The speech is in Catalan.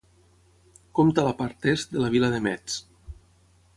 Compta la part est de la vila de Metz.